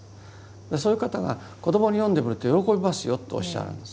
そういう方が子どもに読んでみると喜びますよとおっしゃるんです。